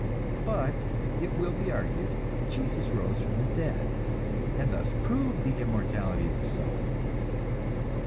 But, it will be argued, Jesus rose from the dead, and thus proved the immortality of the soul.